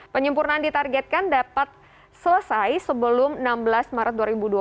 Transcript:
penyempurnaan ditargetkan dapat selesai sebelum enam belas maret dua ribu dua puluh